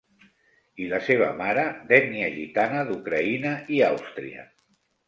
I la seva mare d'ètnia gitana d'Ucraïna i Àustria.